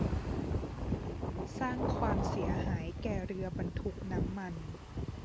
สร้างความเสียหายแก่เรือบรรทุกน้ำมัน